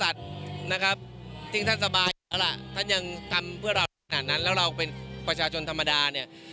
ถ้าท่านยังทำเพื่อเราขนาดนั้นแล้วเราเป็นประชาชนธรรมดา